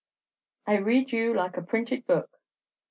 I read you like a printed book."